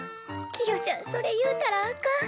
キヨちゃんそれ言うたらあかん。